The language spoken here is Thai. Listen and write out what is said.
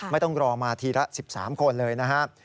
ไม่ต้องรอมาทีละ๑๓คนเลยนะครับ